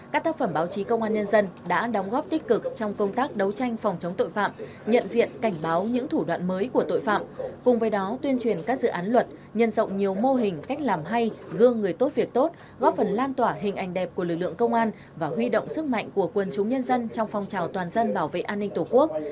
các tác phẩm báo chí công an nhân dân đã đóng góp tích cực trong công tác đấu tranh phòng chống tội phạm nhận diện cảnh báo những thủ đoạn mới của tội phạm cùng với đó tuyên truyền các dự án luật nhân rộng nhiều mô hình cách làm hay gương người tốt việc tốt góp phần lan tỏa hình ảnh đẹp của lực lượng công an và huy động sức mạnh của quân chúng nhân dân trong phong trào toàn dân bảo vệ an ninh tổ quốc